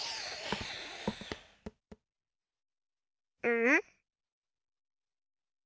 うん？